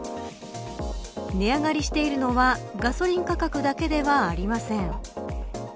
値上がりしているのはガソリン価格だけではありません。